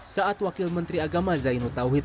saat wakil menteri agama zainud tauhid